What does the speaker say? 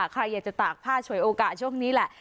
ใครอยากจะตากผ้าฉวยโอกาสช่วงนี้แหละ